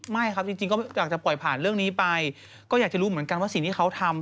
ไม่ครับจริงก็อยากจะปล่อยผ่านเรื่องนี้ไปก็อยากจะรู้เหมือนกันว่าสิ่งที่เขาทำ